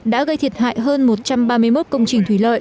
đã gây thiệt hại hơn một trăm linh hộ dân